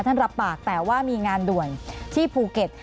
รับปากแต่ว่ามีงานด่วนที่ภูเก็ต